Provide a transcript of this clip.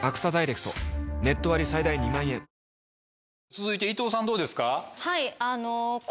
続いて伊藤さんどうですか？